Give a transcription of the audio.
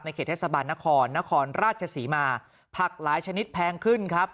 เขตเทศบาลนครนครราชศรีมาผักหลายชนิดแพงขึ้นครับ